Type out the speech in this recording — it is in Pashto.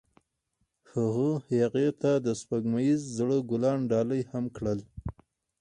هغه هغې ته د سپوږمیز زړه ګلان ډالۍ هم کړل.